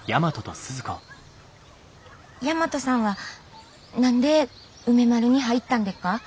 大和さんは何で梅丸に入ったんでっか？